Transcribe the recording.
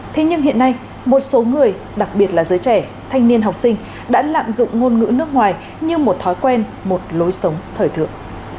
thế nhưng hiện nay một số người đặc biệt là giới trẻ thanh niên học sinh đã lạm dụng ngôn ngữ nước ngoài như một thói quen một lối sống thời thượng